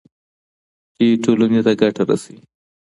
چې ټولنې ته ګټه رسوي.